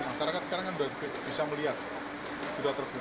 masyarakat sekarang kan sudah bisa melihat sudah terbukti